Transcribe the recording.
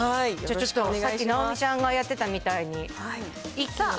ちょっとさっき、尚美ちゃんがやってたみたいに。